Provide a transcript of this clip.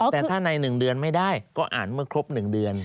แต่ถ้าใน๑เดือนไม่ได้ก็อ่านเมื่อครบ๑เดือน